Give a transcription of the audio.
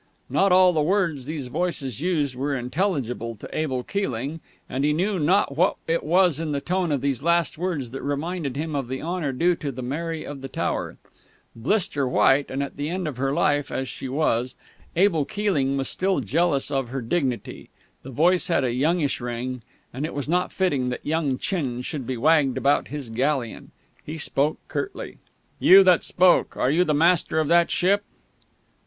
_" Not all the words these voices used were intelligible to Abel Keeling, and he knew not what it was in the tone of these last words that reminded him of the honour due to the Mary of the Tower. Blister white and at the end of her life as she was, Abel Keeling was still jealous of her dignity; the voice had a youngish ring; and it was not fitting that young chins should be wagged about his galleon. He spoke curtly. "You that spoke are you the master of that ship?"